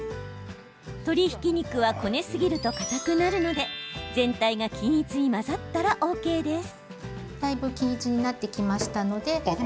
鶏ひき肉は、こねすぎるとかたくなるので全体が均一に混ざったらＯＫです。